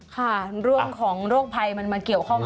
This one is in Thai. ค่ะเรื่องของโรคภัยมันมาเกี่ยวข้อง